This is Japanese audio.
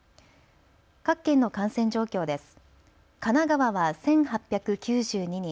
各県の感染状況です。